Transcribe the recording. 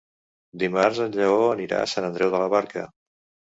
Dimarts en Lleó anirà a Sant Andreu de la Barca.